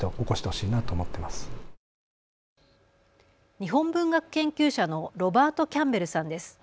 日本文学研究者のロバート・キャンベルさんです。